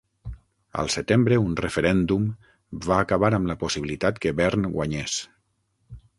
Al setembre un referèndum va acabar amb la possibilitat que Bern guanyés.